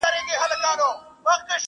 زوی او لور به یې نهر ورته پراته وه.!